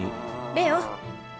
レオ！